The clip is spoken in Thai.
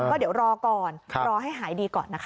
ก็เดี๋ยวรอก่อนรอให้หายดีก่อนนะคะ